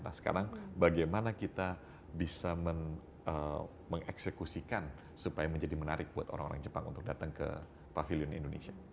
nah sekarang bagaimana kita bisa mengeksekusikan supaya menjadi menarik buat orang orang jepang untuk datang ke pavilion indonesia